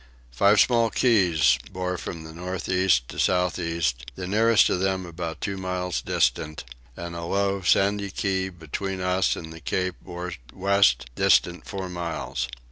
Five small keys bore from north east to south east, the nearest of them about two miles distant, and a low sandy key between us and the cape bore west distant four miles.